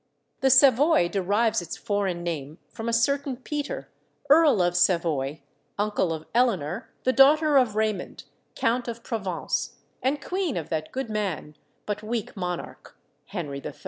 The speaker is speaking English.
The Savoy derives its foreign name from a certain Peter, Earl of Savoy, uncle of Eleanor, the daughter of Raymond, Count of Provence, and queen of that good man, but weak monarch, Henry III.